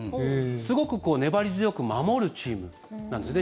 すごく粘り強く守るチームなんです。